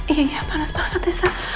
iya ya panas banget ya sa